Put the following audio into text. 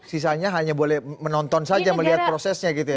sisanya hanya boleh menonton saja melihat prosesnya gitu ya